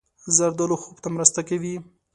زردالو خوب ته مرسته کوي.